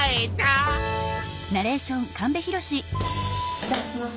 いただきます。